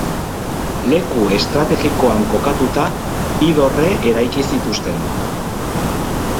Leku estrategikoan kokatuta, bi dorre eraiki zituzten.